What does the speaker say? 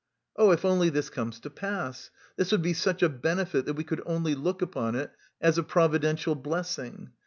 Oh, if only this comes to pass! This would be such a benefit that we could only look upon it as a providential blessing.